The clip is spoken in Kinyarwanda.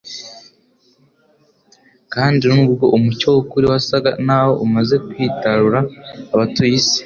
Kandi nubwo umucyo w'ukuri wasaga naho umaze kwitarura abatuye isi,